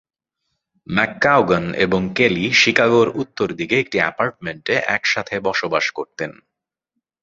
McCaughan এবং Kelly শিকাগোর উত্তর দিকে একটি অ্যাপার্টমেন্টে একসাথে বসবাস করতেন।